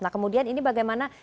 nah kemudian ini bagaimana